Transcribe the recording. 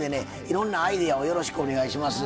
いろんなアイデアをよろしくお願いします。